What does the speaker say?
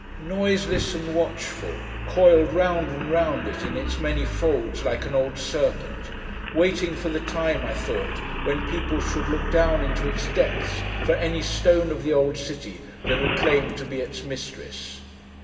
Noiseless and watchful: coiled round and round it, in its many folds, like an old serpent: waiting for the time, I thought, when people should look down into its depths for any stone of the old city that had claimed to be its mistress.